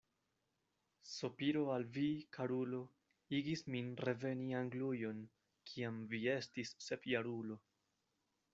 Sopiro al vi, karulo, igis min reveni Anglujon, kiam vi estis sepjarulo.